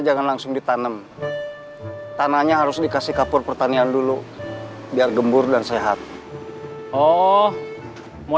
jangan langsung ditanam tanahnya harus dikasih kapur pertanian dulu biar gembur dan sehat oh mau